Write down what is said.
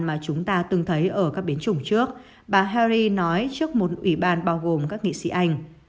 mà chúng ta từng thấy ở các biến chủng trước bà hari nói trước một ủy ban bao gồm các nghị sĩ anh